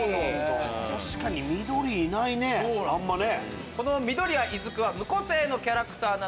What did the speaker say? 確かに緑いないねあんまね。